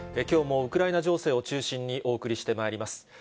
きょうもウクライナ情勢を中心にお送りしてまいります。